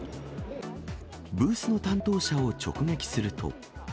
ブースの担当者を直撃すると。